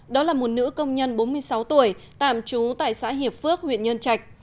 đó là một nữ công nhân bốn mươi sáu tuổi tạm trú tại xã hiệp phước huyện nhân trạch